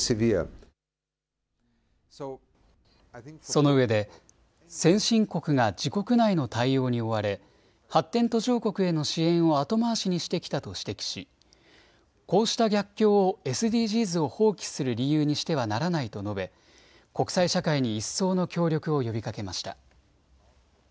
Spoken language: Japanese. そのうえで、先進国が自国内の対応に追われ発展途上国への支援を後回しにしてきたと指摘し、こうした逆境をＳＤＧｓを放棄する理由にしてはならないと述べ、国際社会に一層の協力を呼びかけました。